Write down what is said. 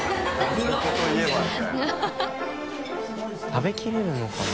食べきれるのかな？